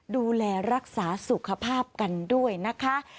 ดูแลรักษาสุขภาพกันด้วยนะคะ